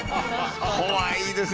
怖いですね。